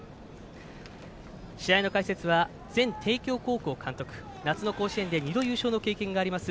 試合の解説は前帝京高校監督夏の甲子園で２度、優勝のご経験があります